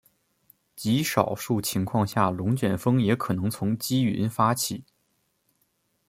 极少数情况下龙卷风也可能从积云发起。